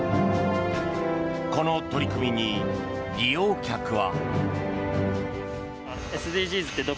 この取り組みに利用客は。